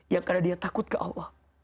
yang karena dia takut ke allah